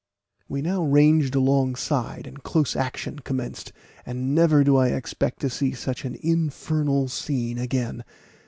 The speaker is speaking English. We now ranged alongside, and close action commenced, and never do I expect to see such an infernal scene again.